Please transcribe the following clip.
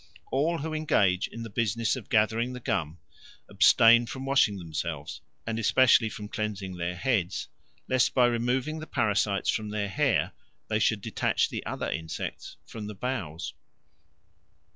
All who engage in the business of gathering the gum abstain from washing themselves and especially from cleansing their heads, lest by removing the parasites from their hair they should detach the other insects from the boughs.